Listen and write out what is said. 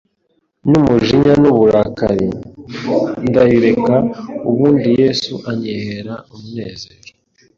n’umujinya n’uburakari ndarireka, ubundi Yesu anyihera umunezero